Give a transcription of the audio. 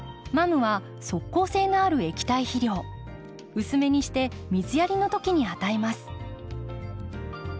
うすめにして水やりの時に与えます。